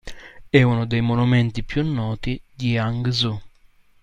È uno dei monumenti più noti di Hangzhou.